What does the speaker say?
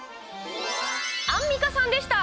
アンミカさんでした！